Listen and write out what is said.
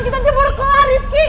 kita jebur kelar rifqi